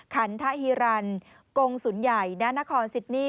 ขันทะฮิรันโกงสุนใหญ่ด้านนครซิดนีย์